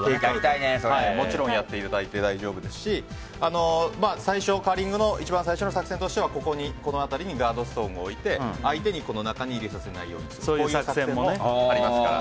もちろんやっていただいて大丈夫ですしカーリングの一番最初の作戦としてはこの辺りにガードストーンを置いて相手に中に入れさせないようにするという作戦もありますから。